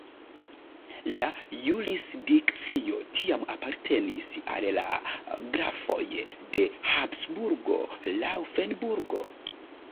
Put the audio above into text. La jurisdikcio tiam apartenis al la Grafoj de Habsburgo-Laŭfenburgo.